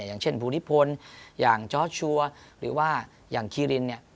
อย่างเช่นภูมิพลอย่างจอร์ชัวร์หรือว่าอย่างคีรินเนี่ย